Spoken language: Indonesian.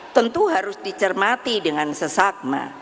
tentu harus dicermati dengan sesakma